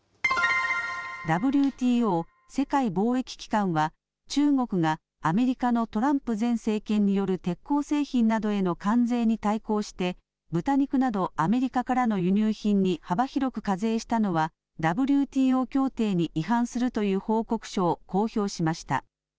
ＷＴＯ・世界貿易機関は、中国がアメリカのトランプ前政権による鉄鋼製品などへの関税に対抗して、豚肉などアメリカからの輸入品に幅広く課税したのは、ＷＴＯ協定に違反するという報告書を公表しました。